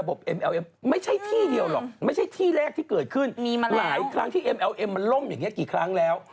บอกพ่ออยู่ไหนแล้วเที่ยงคืนยังไม่ไป